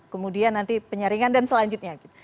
kemudian nanti penyaringan dan selanjutnya